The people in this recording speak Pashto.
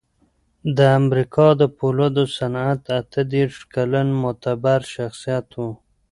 د امریکا د پولادو صنعت اته دېرش کلن معتبر شخصیت و